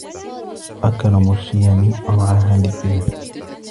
أَكْرَمُ الشِّيَمِ أَرْعَاهَا لِلذِّمَمِ